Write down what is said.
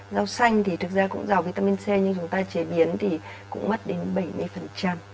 rau xanh thì thực ra cũng giàu vitamin c nhưng chúng ta chế biến thì cũng mất đến bảy mươi